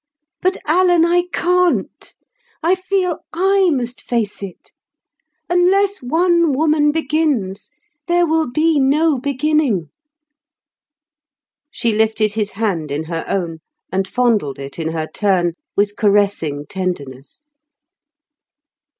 But, Alan, I can't. I feel I must face it. Unless one woman begins, there will be no beginning." She lifted his hand in her own, and fondled it in her turn with caressing tenderness.